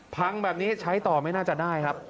พังแบบนี้ใช้ต่อไม่น่าจะได้ครับ